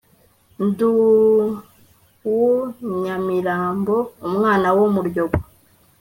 nd'uw' nyamirambo umwana w'umuryogo